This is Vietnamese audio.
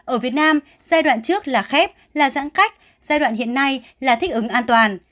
ở việt nam giai đoạn trước là khép là giãn cách giai đoạn hiện nay là thích ứng an toàn